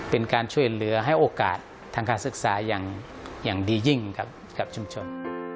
เป็นการช่วยเหลือให้โอกาสทางการศึกษาอย่างดียิ่งครับกับชุมชน